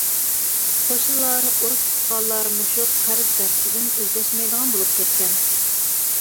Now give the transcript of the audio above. قوشنىلار، ئۇرۇق تۇغقانلار مۇشۇ قەرز دەستىدىن ئىزدەشمەيدىغان بولۇپ كەتكەن.